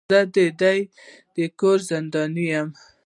زه د دې کور زنداني يم.